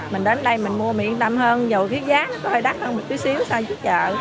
mình đến đây mình mua mình yên tâm hơn dầu phía giá có hơi đắt hơn một chút xíu so với chợ